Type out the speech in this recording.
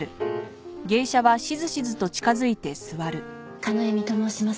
叶笑と申します。